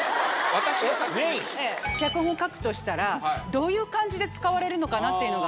脚本を書くとしたらどういう感じで使われるのかなっていうのが。